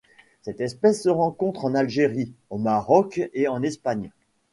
Cette espèce se rencontre en Algérie, au Maroc et en Espagne.